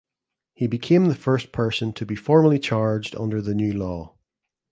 He became the first person to be formally charged under the new law.